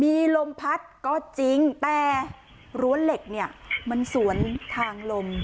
มีลมพัดก็จริงแต่รั้วเหล็กเนี่ยมันสวนทางลม